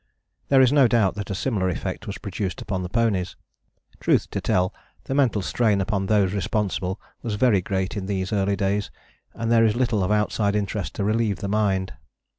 There is no doubt that a similar effect was produced upon the ponies. Truth to tell, the mental strain upon those responsible was very great in these early days, and there is little of outside interest to relieve the mind.